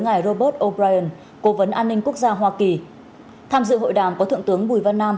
ngài robert o brien cố vấn an ninh quốc gia hoa kỳ tham dự hội đàm có thượng tướng bùi văn nam